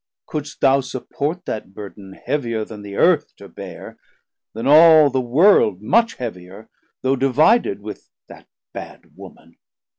couldst thou support That burden heavier then the Earth to bear, Then all the world much heavier, though divided With that bad Woman?